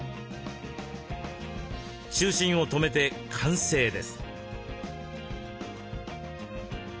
中心を留めて完成です。